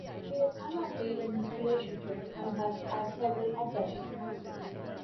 He is unhappy in his relationship and has had several affairs.